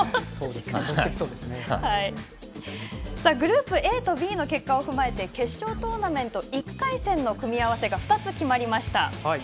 グループＡとＢの結果を踏まえて決勝トーナメント１回戦の組み合わせが２つ決まりました。